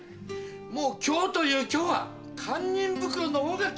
もう今日という今日は堪忍袋の緒が切れました。